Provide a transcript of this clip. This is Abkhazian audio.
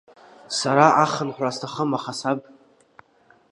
Сара ахынҳәра сҭахым аха саб…